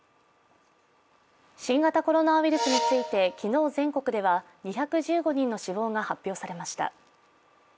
新型コロナウイルスについて、昨日、全国では２１５人の死亡が発表されました。